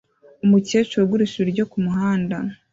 Umukecuru ugurisha ibiryo kumuhanda